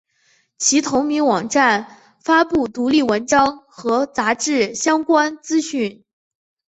其同名网站发布独立文章和杂志相关资讯。